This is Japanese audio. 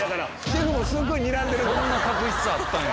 シェフもすごいにらんでるもん。